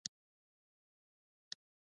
د کندهار په معروف کې د څه شي نښې دي؟